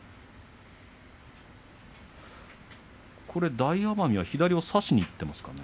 大奄美は左を差しにいってますかね？